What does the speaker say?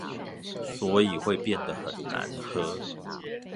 所以會變得很難喝